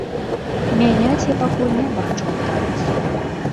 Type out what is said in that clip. Мяняць я пакуль не бачу інтарэсу.